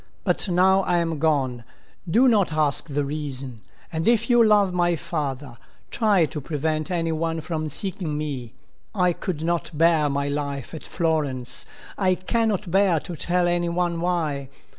But now I am gone. Do not ask the reason; and if you love my father, try to prevent any one from seeking me. I could not bear my life at Florence. I cannot bear to tell any one why.